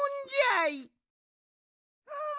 うん！